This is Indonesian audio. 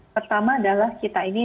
pertama adalah kita ini